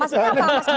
maksudnya apa mas